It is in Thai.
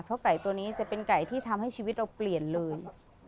เพราะไก่ตัวนี้จะเป็นไก่ที่ทำให้ชีวิตเราเปลี่ยนเลย